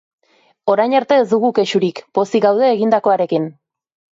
Orain arte ez dugu kexurik, pozik gaude egindakoarekin.